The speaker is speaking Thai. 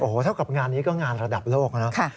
โอ้โหเท่ากับงานนี้ก็งานระดับโลกนะ